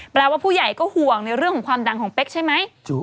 ว่าผู้ใหญ่ก็ห่วงในเรื่องของความดังของเป๊กใช่ไหม